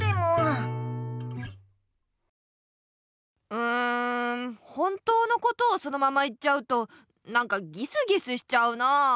うん本当のことをそのまま言っちゃうとなんかギスギスしちゃうなあ。